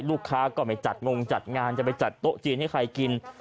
ก็ไม่จัดงงจัดงานจะไปจัดโต๊ะจีนให้ใครกิน